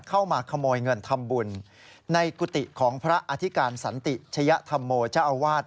เข้ามาขโมยเงินทำบุญในกุฏิของพระอธิการสันติชยธรรมโมเจ้าอาวาส